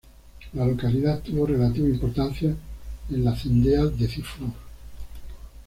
La localidad tuvo relativa importancia en la Cendea de Cizur.